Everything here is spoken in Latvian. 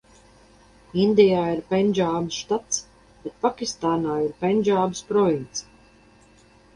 Indijā ir Pendžābas štats, bet Pakistānā ir Pendžābas province.